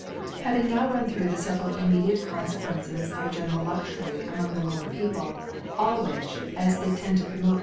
HAving now run through the feveral immediate Confequehces of a gene* ril Luxury among the lower People, all which, as they tend to promote